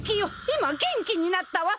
今元気になったわ。